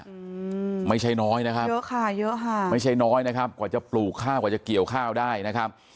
อืมไม่ใช่น้อยนะครับเยอะค่ะเยอะค่ะไม่ใช่น้อยนะครับกว่าจะปลูกข้าวกว่าจะเกี่ยวข้าวได้นะครับ